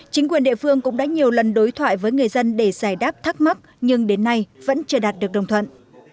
chính quyền địa phương cũng đã nhiều lần đối thoại với người dân để giải đáp thắc mắc nhưng đến nay vẫn chưa đạt được đồng thuận